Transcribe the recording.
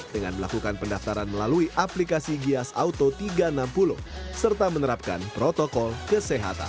dengan melakukan pendaftaran melalui aplikasi gias auto tiga ratus enam puluh serta menerapkan protokol kesehatan